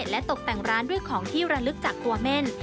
และตกแต่งร้านด้วยของที่ระลึกจากกัวเม่น